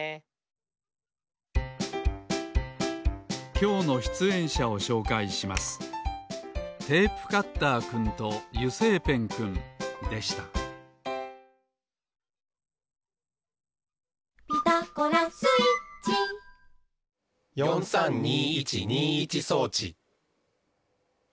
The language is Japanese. きょうのしゅつえんしゃをしょうかいしますでした「ピタゴラスイッチ」４。３２。